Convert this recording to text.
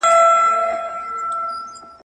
پړ مي که مړ مي که.